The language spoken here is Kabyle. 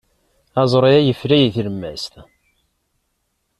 Aẓru-a yefla deg tlemmast.